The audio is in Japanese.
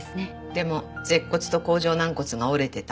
でも舌骨と甲状軟骨が折れてた。